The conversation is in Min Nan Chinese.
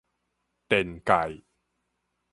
電界